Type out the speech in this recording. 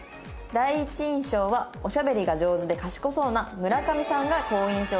「第一印象はおしゃべりが上手で賢そうな村上さんが好印象でした」。